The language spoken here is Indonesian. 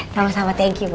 sama sama thank you bu